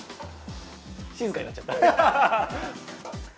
静かになっちゃった。